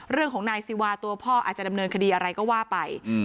เรื่องของนายซีวาตัวพ่ออาจจะดำเนินคดีอะไรก็ว่าไป